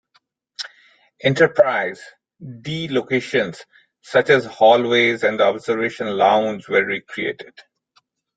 "Enterprise"-D locations such as hallways and the observation lounge were re-created.